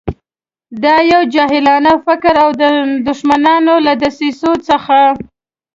دا یو جاهلانه فکر او د دښمنانو له دسیسو څخه.